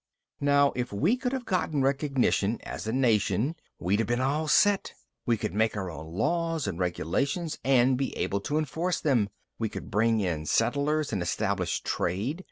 "Now if we could have gotten recognition as a nation, we'd have been all set. We could make our own laws and regulations and be able to enforce them. We could bring in settlers and establish trade.